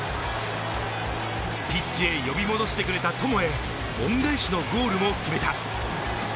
ピッチへ呼び戻してくれた友へ、恩返しのゴールも決めた。